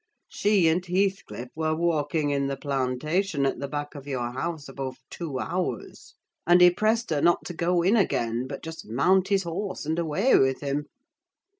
she and Heathcliff were walking in the plantation at the back of your house above two hours; and he pressed her not to go in again, but just mount his horse and away with him!